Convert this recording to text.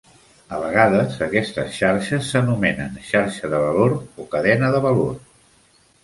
A vegades, aquestes xarxes s'anomenen xarxa de valor o cadena de valor.